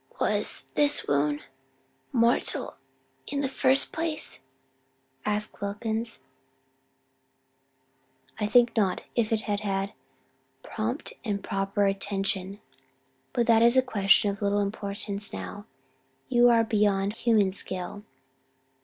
"Was this wound mortal in the first place?" asked Wilkins. "I think not if it had had prompt and proper attention. But that is a question of little importance now: you are beyond human skill.